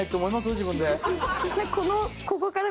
自分で。